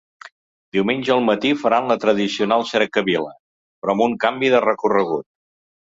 Diumenge al matí faran la tradicional cercavila, però amb un canvi de recorregut.